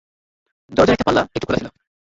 দরজার একটা পাল্লা একটু খোলা ছিল।